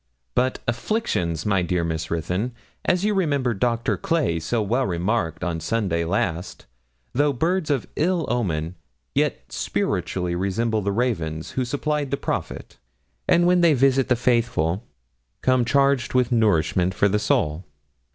But afflictions, my dear Miss Ruthyn, as you remember Doctor Clay so well remarked on Sunday last, though birds of ill omen, yet spiritually resemble the ravens who supplied the prophet; and when they visit the faithful, come charged with nourishment for the soul.